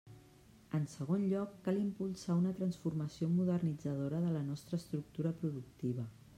En segon lloc, cal impulsar una transformació modernitzadora de la nostra estructura productiva.